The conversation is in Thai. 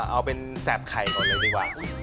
เอาเป็นแสบไข่ก่อนเลยดีกว่า